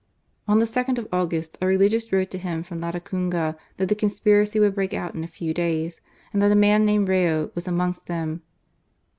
On the 2nd of August a religious wrote to him from Latacunga, that the conspiracy would break out in a few days, and that a man named Rayo was amongst them.